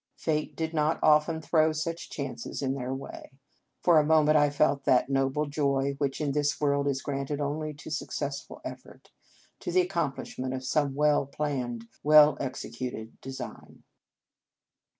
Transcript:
Fate did not often throw such chances in their way. For a moment I felt that noble joy which in this world is granted only to suc cessful effort, to the accomplishment of some well planned, well executed design.